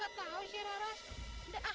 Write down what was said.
apakah itu benar